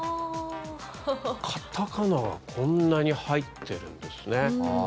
片仮名がこんなに入ってるんですね。